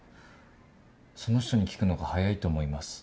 その人に聞くのが早いと思います。